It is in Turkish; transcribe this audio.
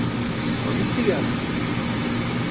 Komik mi geldi?